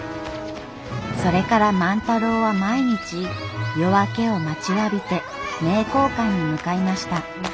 それから万太郎は毎日夜明けを待ちわびて名教館に向かいました。